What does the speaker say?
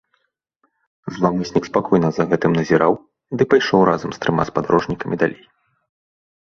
Зламыснік спакойна за гэтым назіраў ды пайшоў разам з трыма спадарожнікамі далей.